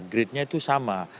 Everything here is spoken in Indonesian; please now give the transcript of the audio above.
gridnya itu sama